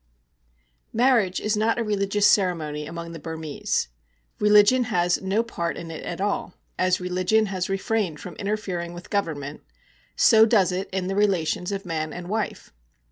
_ Marriage is not a religious ceremony among the Burmese. Religion has no part in it at all; as religion has refrained from interfering with Government, so does it in the relations of man and wife.